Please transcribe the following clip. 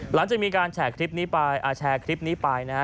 หลังจากมีการแชร์คลิปนี้ไปแชร์คลิปนี้ไปนะฮะ